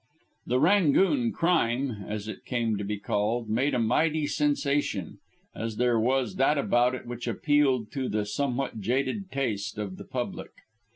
The "Rangoon" crime as it came to be called made a mighty sensation, as there was that about it which appealed to the somewhat jaded taste of the public.